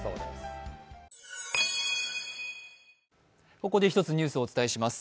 ここで１つニュースをお伝えします。